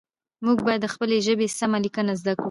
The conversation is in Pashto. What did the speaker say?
موږ باید د خپلې ژبې سمه لیکنه زده کړو